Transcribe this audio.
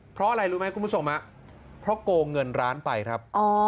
เพราะอะไรรู้ไหมคุณผู้ชมเพราะโกงเงินร้านไปครับ